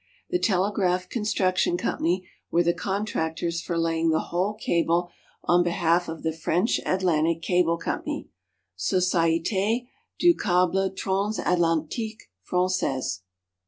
The Telegraph Construction Company were the contractors for laying the whole cable on behalf of the French Atlantic Cable Company (Société du Câble Trans Atlantique Français).